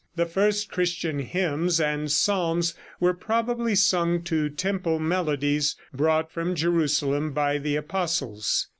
The first Christian hymns and psalms were probably sung to temple melodies brought from Jerusalem by the apostles.